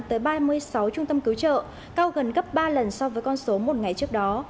tới ba mươi sáu trung tâm cứu trợ cao gần gấp ba lần so với con số một ngày trước đó